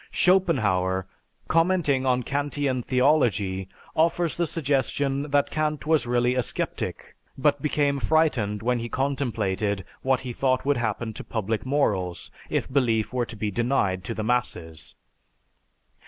Schopenhauer, commenting on Kantian theology, offers the suggestion that Kant was really a sceptic, but became frightened when he contemplated what he thought would happen to public morals if belief were to be denied to the masses.